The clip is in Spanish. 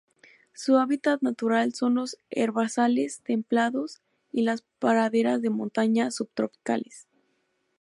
Su hábitat natural son los herbazales templados y las praderas de montaña subtropicales.